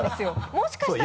もしかしたら。